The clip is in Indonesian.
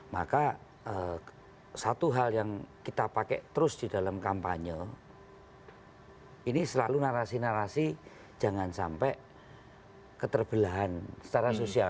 maka satu hal yang kita pakai terus di dalam kampanye ini selalu narasi narasi jangan sampai keterbelahan secara sosial